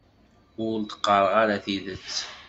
Ur d-qqareɣ ara tidet.